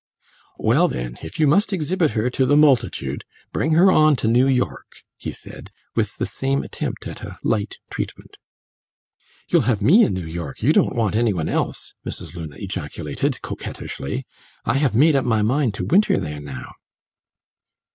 "Well, then, if you must exhibit her to the multitude, bring her on to New York," he said, with the same attempt at a light treatment. "You'll have me in New York you don't want any one else!" Mrs. Luna ejaculated, coquettishly. "I have made up my mind to winter there now."